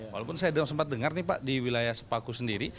walaupun saya sempat dengar nih pak di wilayah sepaku sendiri